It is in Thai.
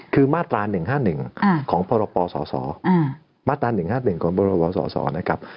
คือมาตรา๑๕๑ของพรปศมาตรา๑๕๑ของบรวบสสนะครับ